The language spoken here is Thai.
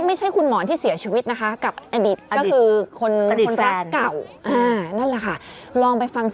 ไม่ใช่คุณหมอนที่เสียชีวิตนะคะกับอดิต